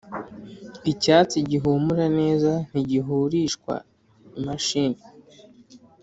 Icyatsi gihumura neza ntigihurishwa imashini,